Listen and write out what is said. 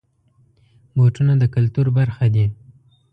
بوټونه د کلتور برخه دي.